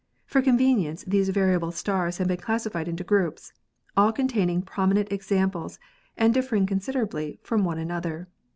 For convenience these variable stars have been classified into groups, all containing prominent examples and differ ing considerably from one another.